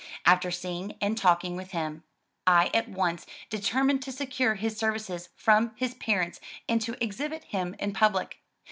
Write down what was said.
After seeing and talking with him, I at once deter mined to secure his services from his parents and to exhibit him in public.